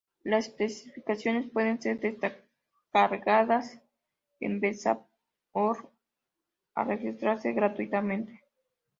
Las especificaciones pueden ser descargadas en vesa.org al registrarse gratuitamente.